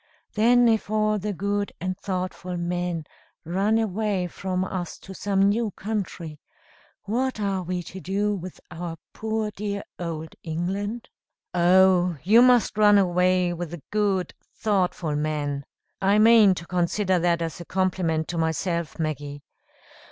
Then if all the good and thoughtful men run away from us to some new country, what are we to do with our poor dear Old England?" "Oh, you must run away with the good, thoughtful men (I mean to consider that as a compliment to myself, Maggie!)